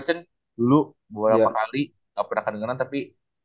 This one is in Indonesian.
cuman dulu beberapa kali gak pernah kedengaran tapi